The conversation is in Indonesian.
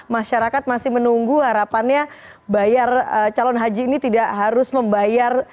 masyarakat masih menunggu harapannya bayar calon haji ini tidak harus membayar